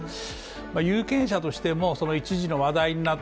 有権者としても、一時の話題になった